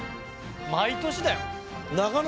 毎年だよ。